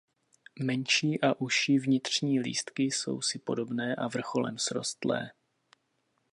Menší a užší vnitřní lístky jsou si podobné a vrcholem srostlé.